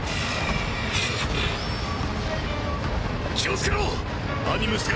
気をつけろ！